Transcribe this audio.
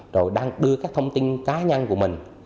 rồi đưa các thông tin cá nhân của mình